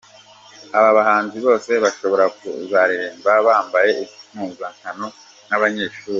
Aba bahanzi bose bashobora kuzaririmba bambaye impuzankano nk'abanyeshuri.